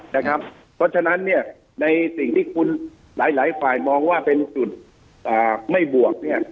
เพราะฉะนั้นในสิ่งที่คุณหลายฝ่ายมองว่าเป็นจุดไม่บวก